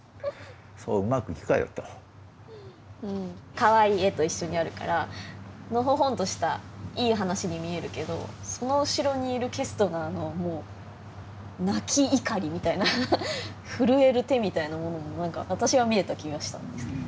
かわいい絵と一緒にあるからのほほんとしたいい話に見えるけどその後ろにいるケストナーのもう泣き怒りみたいな震える手みたいなものも何か私は見えた気がしたんですね。